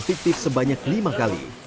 pesan aktif sebanyak lima kali